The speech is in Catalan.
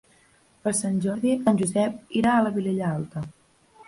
Per Sant Jordi en Josep irà a la Vilella Alta.